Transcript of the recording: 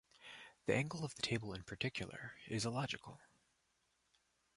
The angle of the table in particular is illogical.